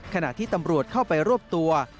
ขณะที่ตำรวจเข้าไปรวบตัว